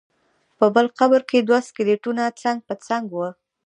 په بل قبر کې دوه سکلیټونه څنګ په څنګ ول.